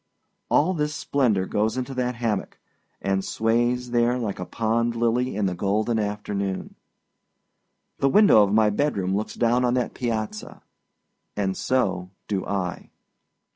All this splendor goes into that hammock, and sways there like a pond lily in the golden afternoon. The window of my bedroom looks down on that piazza and so do I.